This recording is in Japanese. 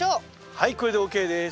はいこれでＯＫです。